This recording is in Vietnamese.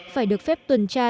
phải được phép tuần tra